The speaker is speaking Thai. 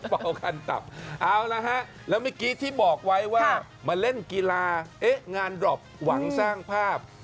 เอานะฮะแล้วเมื่อกี้ที่บอกไว้ว่ามาเล่นกีฬางานดรอบหวังสร้างภาพ